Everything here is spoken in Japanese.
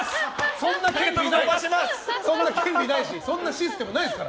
そんな権利ないしそんなシステムないですから。